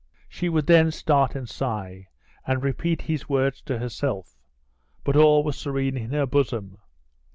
She would then start and sigh, and repeat his words to herself, but all was serene in her bosom.